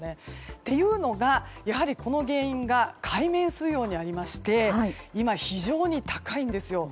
というのが、やはりこの原因が海面水温にありまして今、非常に高いんですよ。